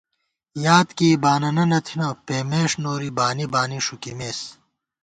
یادکېئی باننہ نہ تھنہ، پېمېݭ نوری بانی بانی ݭُوکِمېس